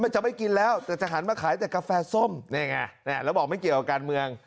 จะไม่กินแล้วแต่จะหันมาขายแต่กาแฟส้มนี่ไงแล้วบอกไม่เกี่ยวกับการเมือง